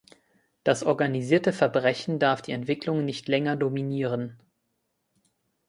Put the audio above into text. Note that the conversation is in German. Das organisierte Verbrechen darf die Entwicklung nicht länger dominieren.